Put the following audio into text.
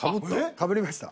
かぶりました。